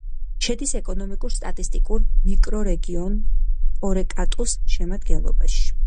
შედის ეკონომიკურ-სტატისტიკურ მიკრორეგიონ პორეკატუს შემადგენლობაში.